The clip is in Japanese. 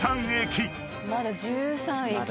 まだ１３駅です。